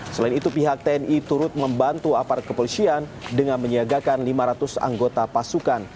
selain itu pihak tni turut membantu apart kepolisian dengan menyiagakan lima ratus anggota pasukan